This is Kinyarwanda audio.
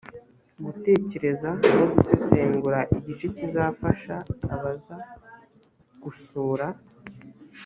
gutekereza no gusesengura igice kizafasha abaza gusura